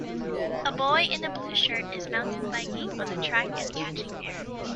A boy in a blue shirt is mountain biking on a track and catching air.